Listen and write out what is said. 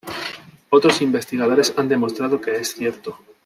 Otros investigadores han demostrado que es cierto.